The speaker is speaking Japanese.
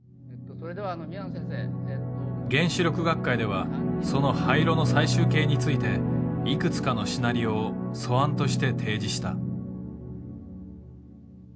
原子力学会ではその廃炉の最終形についていくつかのシナリオを素案として提示した。